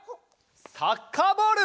サッカーボール！